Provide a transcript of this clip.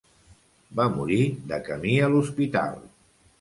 Va morir de camí a l'hospital.